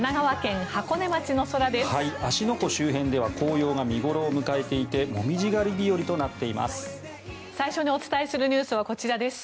湖周辺では紅葉が見頃を迎えていてモミジ狩り日和となっています。